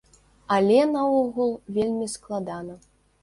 Але, наогул, вельмі складана.